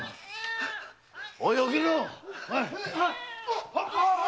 おい起きろっ！